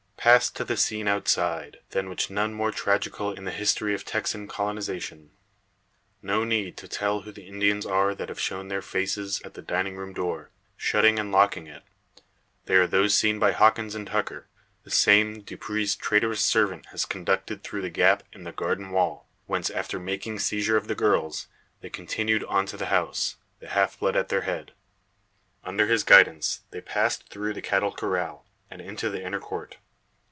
Pass to the scene outside, than which none more tragical in the history of Texan colonisation. No need to tell who the Indians are that have shown their faces at the dining room door, shutting and locking it. They are those seen by Hawkins and Tucker the same Dupre's traitorous servant has conducted through the gap in the garden wall; whence, after making seizure of the girls, they continued on to the house, the half blood at their head. Under his guidance they passed through the cattle corral, and into the inner court.